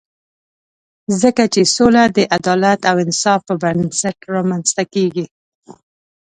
ځکه چې سوله د عدالت او انصاف پر بنسټ رامنځته کېږي.